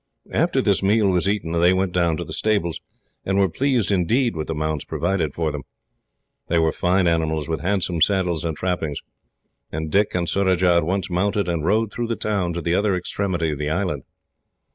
After this meal was eaten they went down to the stables, and were pleased, indeed, with the mounts provided for them. They were fine animals, with handsome saddles and trappings, and Dick and Surajah at once mounted, and rode through the town to the other extremity of the island.